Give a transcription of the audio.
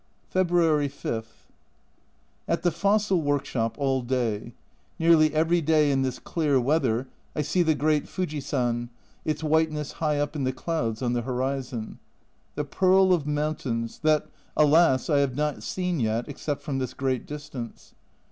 February 5. At the fossil workshop all day. Nearly every day in this clear weather I see the great Fujisan, its whiteness high up in the clouds on the horizon. The pearl of mountains, that, alas, I have not seen yet except from this great distance.